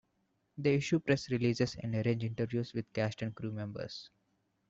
They issue press releases and arrange interviews with cast and crew members.